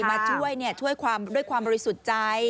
มาช่วยช่วยด้วยความบริสุทธิ์ใจ